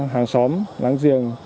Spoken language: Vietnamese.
hàng xóm láng giềng